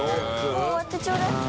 もう終わってちょうだい。